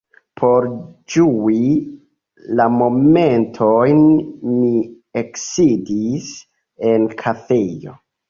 Por ĝui la momentojn mi eksidis en kafejo.